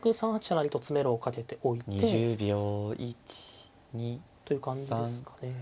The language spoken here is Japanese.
成と詰めろをかけておいて。という感じですかね。